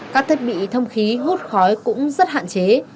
các thiết bị thông khí hút khói cũng rất hạn chế